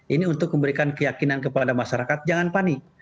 ini untuk memberikan keyakinan kepada masyarakat jangan panik